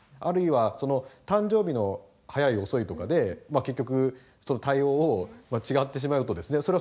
あるいは誕生日の早い遅いとかで結局対応を違ってしまうとですね